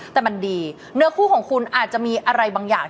แต่มันดีเนื้อคู่ของคุณอาจจะมีอะไรบางอย่าง